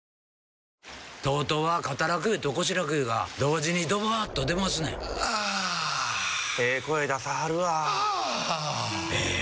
ＴＯＴＯは肩楽湯と腰楽湯が同時にドバーッと出ますねんあええ声出さはるわあええ